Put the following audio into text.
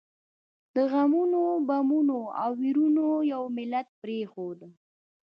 د غمونو، بمونو او ويرونو یو ملت پرېښود.